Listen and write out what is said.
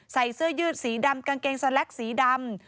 ใส่เสื้อยืดสีดำกางเกงสแล็กสีดำ